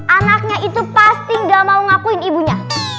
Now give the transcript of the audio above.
anaknya itu pasti gak mau ngakuin ibunya